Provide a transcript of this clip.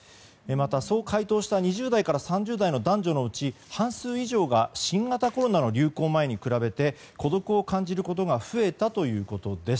また、そう回答した２０代から３０代の男女のうち半数以上が新型コロナの流行前に比べて孤独を感じることが増えたということです。